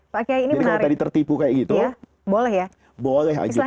pak kiai jadi kalau tadi tertipu kayak gitu boleh ya boleh ajukan